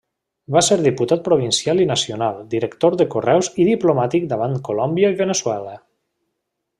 Va ser diputat provincial i nacional, director de Correus i diplomàtic davant Colòmbia i Veneçuela.